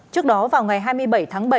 trước đó vào ngày hai mươi bảy tháng bảy